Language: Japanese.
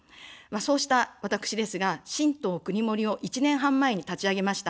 そうした私ですが、新党くにもりを１年半前に立ち上げました。